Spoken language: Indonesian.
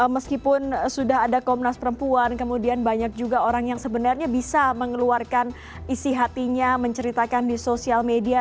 meskipun sudah ada komnas perempuan kemudian banyak juga orang yang sebenarnya bisa mengeluarkan isi hatinya menceritakan di sosial media